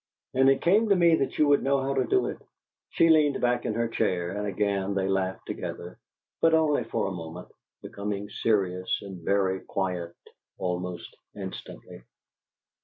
And it came to me that you would know how to do it." She leaned back in her chair, and again they laughed together, but only for a moment, becoming serious and very quiet almost instantly.